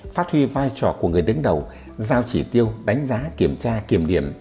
phát huy vai trò của người đứng đầu giao chỉ tiêu đánh giá kiểm tra kiểm điểm